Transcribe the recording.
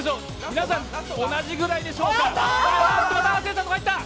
皆さん同じぐらいでしょうか。